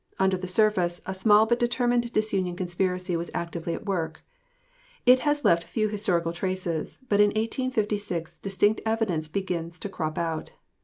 Under the surface, a small but determined disunion conspiracy was actively at work. It has left few historical traces; but in 1856 distinct evidence begins to crop out.